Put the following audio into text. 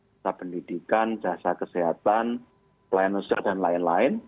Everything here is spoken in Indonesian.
kita pendidikan jasa kesehatan pelayanan usia dan lain lain